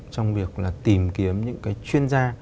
trong việc là tìm kiếm những cái chuyên gia